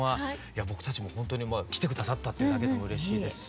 僕たちもほんとに来て下さったっていうだけでもうれしいですし。